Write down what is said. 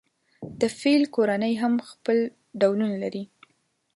د فیل کورنۍ هم خپل ډولونه لري.